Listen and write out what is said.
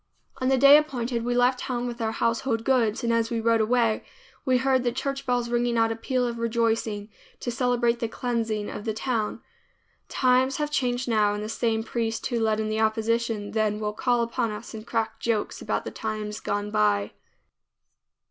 On the day appointed we left town with our household goods and as we rode away we heard the church bells ringing out a peal of rejoicing to celebrate the cleansing of the town. Times have changed now, and the same priest who led in the opposition then will call upon us and crack jokes about the times gone by.